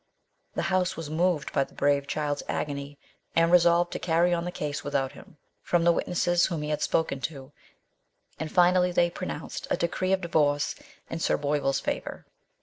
The House was moved by the brave child's agony, and resolved to carry on the case without him, from the witnesses whom he had spoken to, and finally they. LITERARY WORK. 199 pronounced a decree of divorce in Sir Boyvill's favour.